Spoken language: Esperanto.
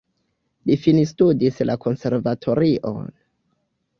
Li finstudis la konservatorion.